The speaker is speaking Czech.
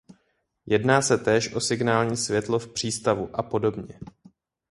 Jedná se též o signální světlo v přístavu a podobně.